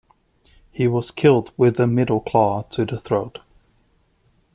He was killed with a middle claw to the throat.